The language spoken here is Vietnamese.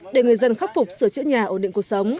để người dân khắc phục sửa chữa nhà ổn định